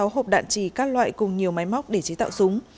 ba mươi sáu hộp đạn trì các loại cùng nhiều máy móc để chế tạo súng